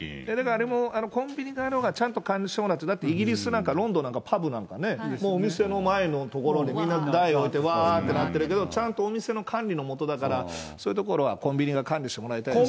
あれもコンビニ側がちゃんと管理してもらって、イギリスなんか、ロンドンなんか、パブなんかね、お店の前の所で台置いて、わーってなってるけど、ちゃんとお店の管理の下だから、そういうところは、コンビニが管理してもらいたいですね。